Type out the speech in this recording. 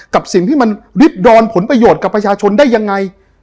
กับสิ่งที่มันริบดอนผลประโยชน์กับประชาชนได้ยังไง